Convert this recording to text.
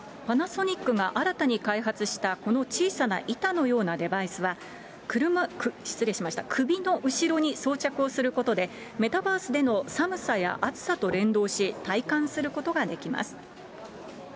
パナソニックが新たに開発したこの小さな板のようなデバイスは、首の後ろに装着をすることで、メタバースでの寒さや熱さと連動し、体感することができます。